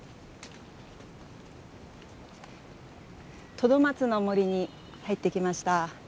トドマツの森に入ってきました。